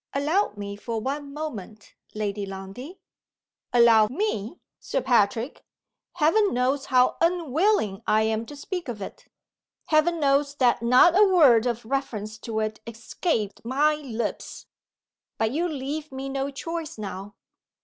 "Allow me for one moment, Lady Lundie " "Allow me, Sir Patrick! Heaven knows how unwilling I am to speak of it. Heaven knows that not a word of reference to it escaped my lips. But you leave me no choice now.